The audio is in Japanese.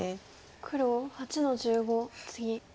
黒８の十五ツギ。